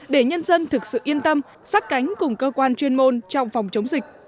để nhân dân thực sự yên tâm sát cánh cùng cơ quan chuyên môn trong phòng chống dịch